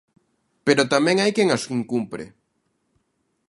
Pero tamén hai quen as incumpre.